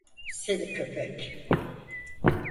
Seni köpek!